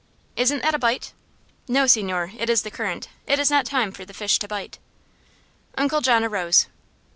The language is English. "Isn't that a bite?" "No, signore. It is the current. It is not time for the fish to bite." Uncle John arose.